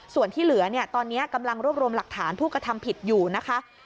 ส่วนที่เหลือเนี่ยตอนนี้กำลังรวบรวมหลักฐานผู้กระทำผิดอยู่นะคะ